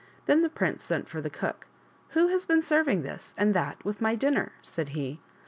Then the prince sent for the cook. " Who has been serving this and that with my dinner?" said he.